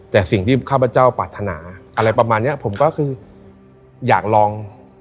แต่สิ่งที่ข้าพเจ้าปรารถนาอะไรประมาณเนี้ยผมก็คืออยากลอง